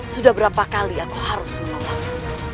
sudah berapa kali aku harus menolak